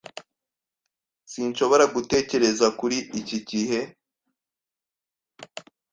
Sinshobora gutekereza kuri iki gihe.